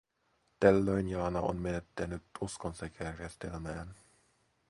Tällöin Jaana oli menettänyt uskonsa järjestelmään.